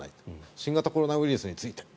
新型コロナウイルスについて。